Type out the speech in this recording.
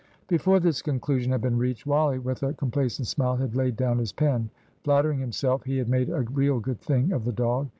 Before this conclusion had been reached, Wally, with a complacent smile, had laid down his pen, flattering himself he had made a real good thing of the dog.